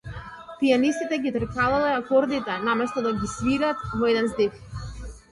Пијанистите ги тркалалале акордите, наместо да ги свират во еден здив.